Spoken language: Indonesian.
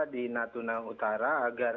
di natuna utara